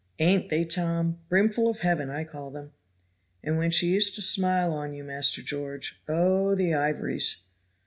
"Ain't they, Tom? brimful of heaven I call them." "And when she used to smile on you, Master George, oh! the ivories."